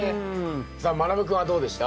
さあまなぶ君はどうでした？